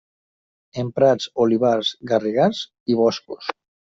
En prats, olivars, garrigars, i boscos.